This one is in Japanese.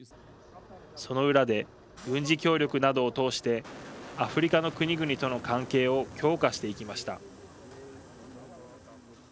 その裏で軍事協力などを通してアフリカの国々との関係を強化していきました。